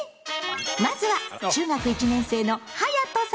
まずは中学１年生のはやとさんの声から。